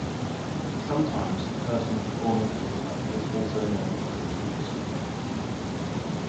Sometimes, the person performing the cleanup is also known as the pooper-scooper.